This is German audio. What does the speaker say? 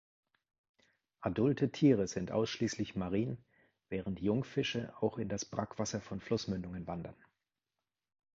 Adulte Tiere sind ausschließlich marin, während Jungfische auch in das Brackwasser von Flussmündungen wandern.